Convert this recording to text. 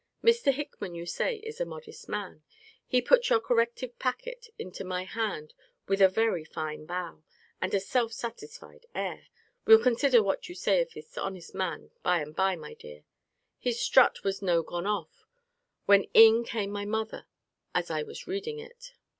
Mr. Hickman, you say, is a modest man. He put your corrective packet into my hand with a very fine bow, and a self satisfied air [we'll consider what you say of this honest man by and by, my dear]: his strut was no gone off, when in came my mother, as I was reading it.